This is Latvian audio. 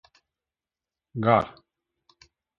Gar